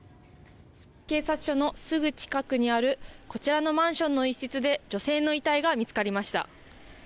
警察署のすぐ近くにあるこちらのマンションの一室で女性の遺体が見つかりました。